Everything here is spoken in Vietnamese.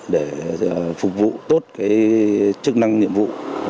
để phục vụ tốt chức năng nhiệm vụ